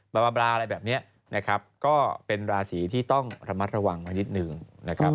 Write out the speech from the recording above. บาบาราอะไรแบบนี้นะครับก็เป็นราศีที่ต้องระมัดระวังกันนิดนึงนะครับ